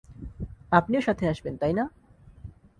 আপনিও সাথে আসবেন, তাই না?